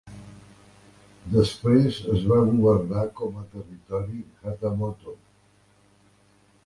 Després es va governar com a territori "hatamoto".